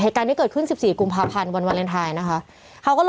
เหตุการณ์ที่เกิดขึ้น๑๔กุมภาพันธ์วันวาเลนไทน์นะคะ